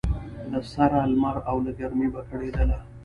له سره لمر او له ګرمۍ به کړېدله